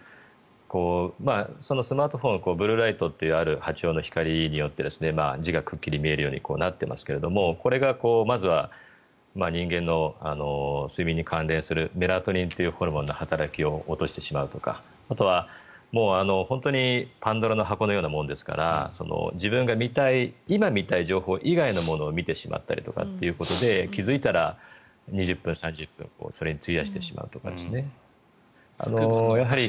スマートフォンはブルーライトというある波長の光によって字がくっきり見えるようになっていますがこれがまずは人間の睡眠に関連するメラトニンというホルモンの働きを落としてしまうとかあとは本当にパンドラの箱のようなものですから自分が今見たい情報以外のものを見てしまったりとかということで気付いたら２０分、３０分それに費やしてしまうとか。